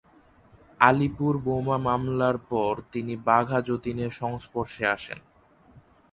আলিপুর বোমা মামলার পর তিনি বাঘা যতীনের সংস্পর্শে আসেন।